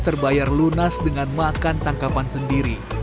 terbayar lunas dengan makan tangkapan sendiri